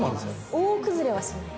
大崩れはしない。